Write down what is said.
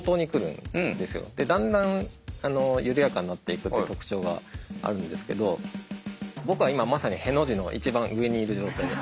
でだんだん緩やかになっていくっていう特徴があるんですけど僕は今まさにへの字の一番上にいる状態。